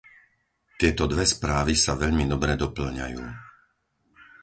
Tieto dve správy sa veľmi dobre dopĺňajú.